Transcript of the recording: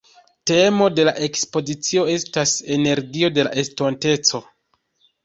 Temo de la ekspozicio estas «Energio de la Estonteco».